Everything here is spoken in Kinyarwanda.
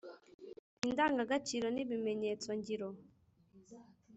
indangagaciro ni ibimenyetso ngiro